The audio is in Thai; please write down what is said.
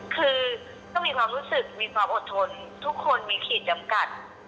คือก็มีความรู้สึกมีความอดทนทุกคนมีขีดจำกัด